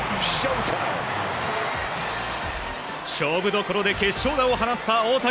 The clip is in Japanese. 勝負所で決勝打を放った大谷。